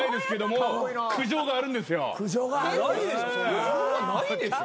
苦情はないでしょ。